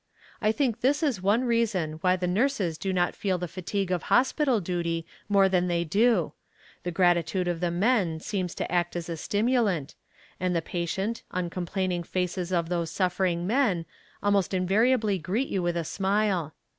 I think this is one reason why the nurses do not feel the fatigue of hospital duty more than they do; the gratitude of the men seems to act as a stimulant, and the patient, uncomplaining faces of those suffering men almost invariably greet you with a smile.